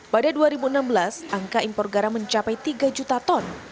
pada dua ribu enam belas angka impor garam mencapai tiga juta ton